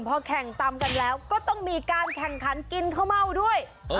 พอแข่งตำกันแล้วก็ต้องมีการแข่งขันกินข้าวเม่าด้วย